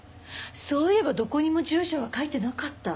そういえばどこにも住所は書いてなかった。